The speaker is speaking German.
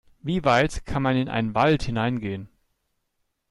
Wie weit kann man in einen Wald hineingehen?